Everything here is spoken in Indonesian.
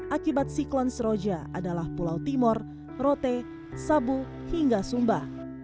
akibat siklon seroja adalah pulau timur rote sabu hingga sumba